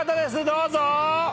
どうぞ！